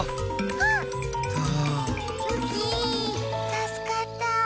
たすかった。